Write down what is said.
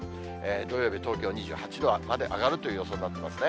土曜日、東京２８度まで上がるという予想になってますね。